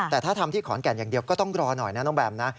แต่ถ้าทำที่ขอนแก่นอย่างเดียวก็ต้องรอหน่อยนะน้องแบมนะ